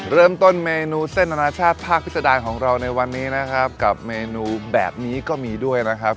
เริ่มต้นเมนูเส้นอนาชาติภาคพิษดารของเราในวันนี้นะครับกับเมนูแบบนี้ก็มีด้วยนะครับ